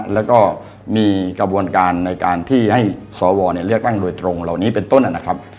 แล้วก็มีกระบวนการในการที่ให้สวเลือกตั้งโดยตรงเหล่านี้เป็นต้นนะครับ